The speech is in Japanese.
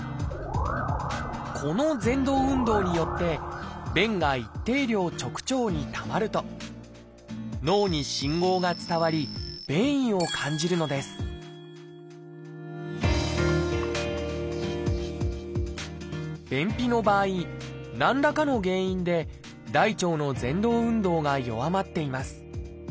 このぜん動運動によって便が一定量直腸にたまると脳に信号が伝わり便意を感じるのです便秘の場合何らかの原因で大腸のぜん動運動が弱まっています。